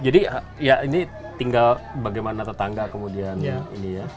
jadi ya ini tinggal bagaimana tetangga kemudian ini ya